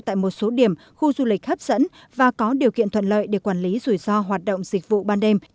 tại một số điểm khu du lịch hấp dẫn và có điều kiện thuận lợi để quản lý rủi ro hoạt động dịch vụ ban đêm